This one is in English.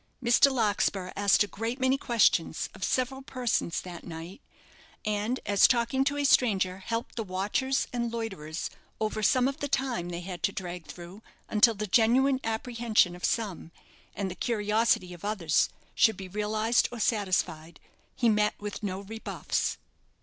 Mr. Larkspur asked a great many questions of several persons that night, and as talking to a stranger helped the watchers and loiterers over some of the time they had to drag through until the genuine apprehension of some, and the curiosity of others, should be realized or satisfied, he met with no rebuffs.